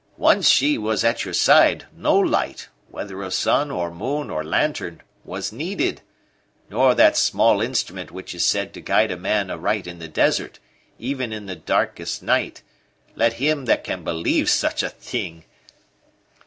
Once she was at your side, no light, whether of sun or moon or lantern, was needed, nor that small instrument which is said to guide a man aright in the desert, even in the darkest night let him that can believe such a thing!"